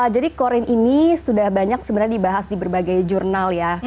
jadi corin ini sudah banyak sebenarnya dibahas di berbagai jurnal ya